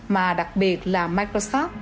mà đặc biệt là microsoft